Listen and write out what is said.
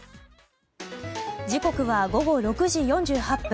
時刻は午後６時４８分。